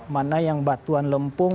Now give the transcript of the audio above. mana yang batuan lempung